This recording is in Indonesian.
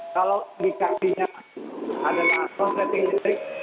kalau indikasinya adalah sosial media